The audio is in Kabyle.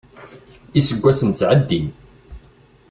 Iseggasen ttɛeddin.